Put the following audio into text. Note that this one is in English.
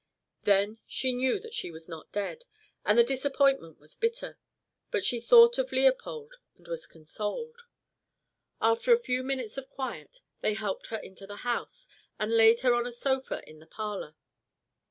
Then she knew that she was not dead, and the disappointment was bitter. But she thought of Leopold, and was consoled. After a few minutes of quiet, they helped her into the house, and laid her on a sofa in the parlour.